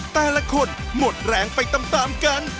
แต่ละคนหมดแรงไปตามกัน